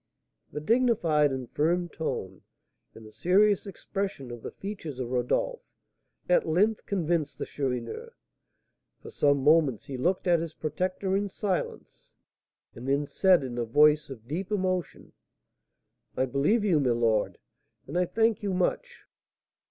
The dignified and firm tone, and the serious expression of the features of Rodolph, at length convinced the Chourineur. For some moments he looked at his protector in silence, and then said, in a voice of deep emotion: "I believe you, my lord, and I thank you much.